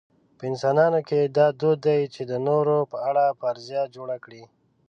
په انسانانو کې دا دود دی چې د نورو په اړه فرضیه جوړه کړي.